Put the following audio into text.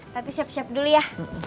tapi siap siap dulu ya